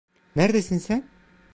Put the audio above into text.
Neredesin sen?